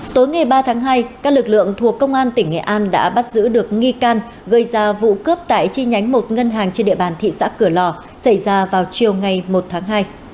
tối ngày ba tháng hai các lực lượng thuộc công an tỉnh nghệ an đã bắt giữ được nghi can gây ra vụ cướp tại chi nhánh một ngân hàng trên địa bàn thị xã cửa lò xảy ra vào chiều ngày một tháng hai